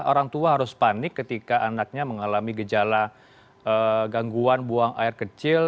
orang tua harus panik ketika anaknya mengalami gejala gangguan buang air kecil